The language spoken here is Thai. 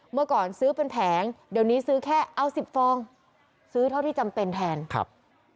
เมื่อก่อนซื้อเป็นแผงเดี๋ยวนี้ซื้อแค่เอาสิบฟองซื้อเท่าที่จำเป็นแทนครับ